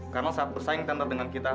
karena saat bersaing tenter dengan kita